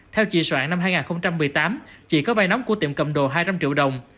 theo chị soạn năm hai nghìn một mươi tám chị có vai nóng của tiệm cầm đồ hai trăm linh triệu đồng